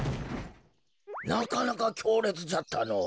なかなかきょうれつじゃったのお。